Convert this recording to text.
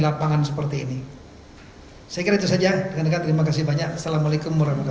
lapangan seperti ini sekriters aja dengan terima kasih banyak assalamualaikum warahmatullah wa